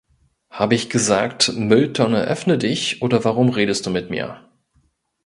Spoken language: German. Hab ich gesagt ‘Mülltonne öffne dich’, oder warum redest du mit mir?